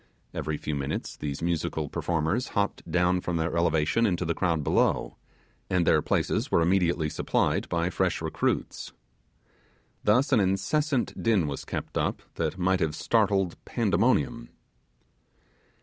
Every few minutes these musical performers hopped down from their elevation into the crowd below, and their places were immediately supplied by fresh recruits. Thus an incessant din was kept up that might have startled Pandemonium.